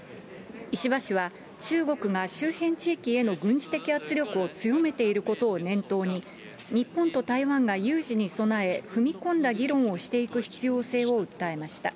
石破氏は、中国が周辺地域への軍事的圧力を強めていることを念頭に、日本と台湾が有事に備え、踏み込んだ議論をしていく必要性を訴えました。